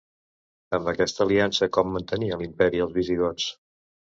Amb aquesta aliança com mantenia l'imperi als visigots?